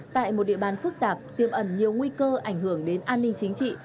tại một địa bàn phức tạp tiêm ẩn nhiều nguy cơ ảnh hưởng đến an ninh chính trị